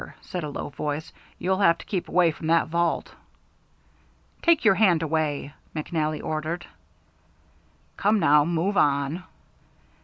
said a low voice. "You'll have to keep away from that vault." "Take your hand away!" McNally ordered. "Come, now! Move on!"